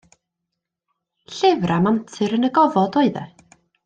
Llyfr am antur yn y gofod oedd e.